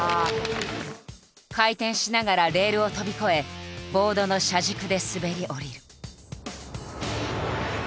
回転しながらレールを飛び越えボードの車軸で滑り降りる。